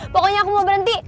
pokoknya aku mau berhenti